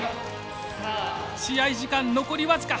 試合時間残り僅か。